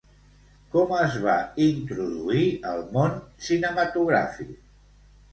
Com es va introduir al món cinematogràfic?